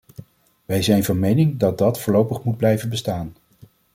Wij zijn van mening dat dat voorlopig moet blijven bestaan.